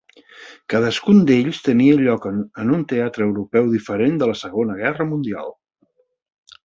Cadascun d'ells tenia lloc en un teatre europeu diferent de la Segona Guerra Mundial.